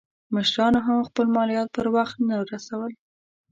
مشرانو هم خپل مالیات پر وخت نه رسول.